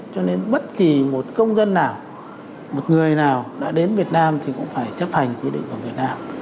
cho nên bất kỳ một công dân nào một người nào đã đến việt nam thì cũng phải chấp hành quy định của việt nam